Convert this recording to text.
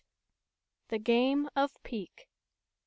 THE GAME OF PIQUE.